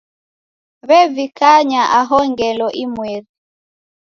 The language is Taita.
W'evikanya aho ngelo imweri.